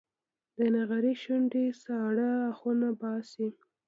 د نغري شوندې ساړه اهونه باسي